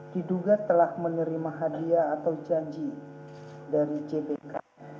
diduga telah menerima hadiah atau janji dari jpk